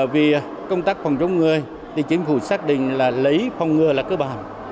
vì công tác phòng chống người thì chính phủ xác định là lấy phòng ngừa là cơ bản